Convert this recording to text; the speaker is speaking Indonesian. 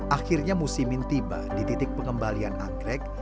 akhirnya musimin tiba di titik pengembalian anggrek